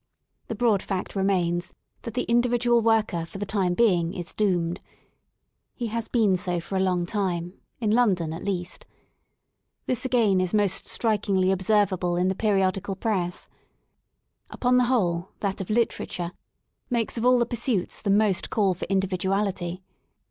The broad fact remains that the individual worker for the time being is doomed. He has been so for a long time, in London at least This again is most strikingly observable in the per icxi teal press. Upon the whole thai of literature makes of all the pursuits the most call for individuality.